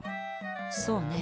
そうねえ